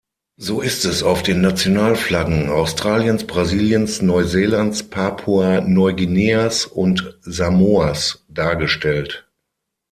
So ist es auf den Nationalflaggen Australiens, Brasiliens, Neuseelands, Papua-Neuguineas und Samoas dargestellt.